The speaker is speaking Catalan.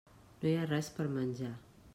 No hi ha res per menjar.